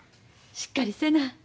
しっかりせな。